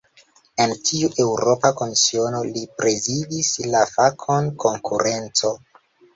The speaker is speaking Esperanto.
En tiu Eŭropa Komisiono, li prezidis la fakon "konkurenco".